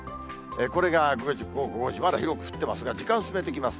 これが５時、まだ広く降ってますが、時間進めていきます。